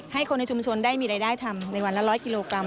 ให้คนในชุมชนได้มีรายได้ทำในวันละ๑๐๐กิโลกรัม